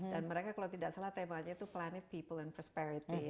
dan mereka kalau tidak salah temanya itu planet people and prosperity